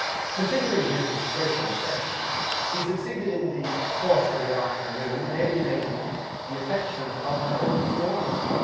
Continuing his disgraceful deception, he succeeded in the course of the afternoon in alienating the affections of my only ward.